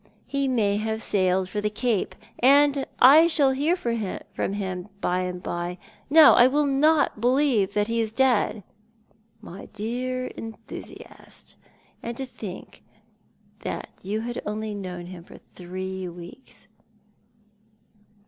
" He may have sailed for the Cape — and I shall hear from him by and by. No, I will not believe that he is dead." "My dear enthusiast! And to think that you had only known him three weeks."